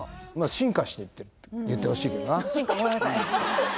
進化していってるって言ってほしいけどな進化ごめんなさい